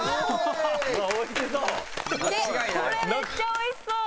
これめっちゃ美味しそう！